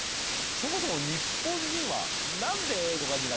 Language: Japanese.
そもそも日本人は何で英語が苦手なのか？